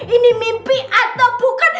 ini mimpi atau bukan